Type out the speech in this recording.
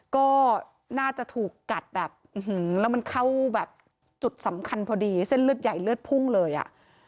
ก็น่าจะถูกกัดแบบแล้วมันเข้าแบบจุดสำคัญพอดีเส้นเลือดใหญ่เลือดพุ่งเลยอ่ะ